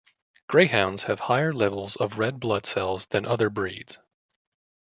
Greyhounds have higher levels of red blood cells than other breeds.